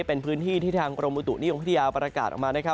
เป็นพื้นที่ที่ทางกรมอุตุริย์นี้ของพระเทียประกาศออกมา